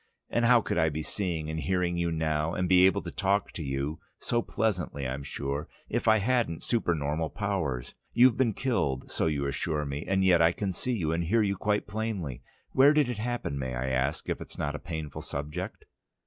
And how could I be seeing and hearing you now, and be able to talk to you so pleasantly, I'm sure if I hadn't super normal powers? You've been killed, so you assure me, and yet I can see and hear you quite plainly. Where did it happen, may I ask, if it's not a painful subject?"